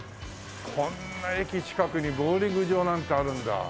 こんな駅近くにボウリング場なんてあるんだ。